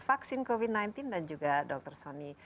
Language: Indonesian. vaksin covid sembilan belas dan juga dr sony